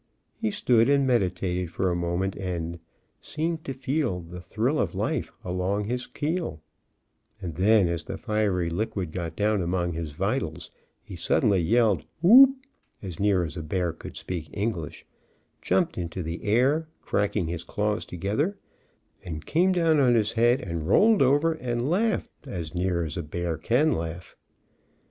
He stood and meditated for a mo ment, and "seemed to feel the thrill of life along his keel," and then as the fiery liquid got down among his vitals, he suddenly yelled "whoop," as near as a bear could speak English, jumped into the air, cracking his claws together, and came down on his head and rolled over and laughed as near as a We won't go horn* till morning. bear can laugh.